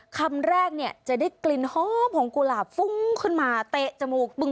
คำแรกเนี่ยจะได้กลิ่นหอมของกุหลาบฟุ้งขึ้นมาเตะจมูกบึง